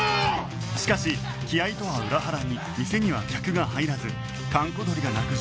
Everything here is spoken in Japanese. しかし気合とは裏腹に店には客が入らず閑古鳥が鳴く状態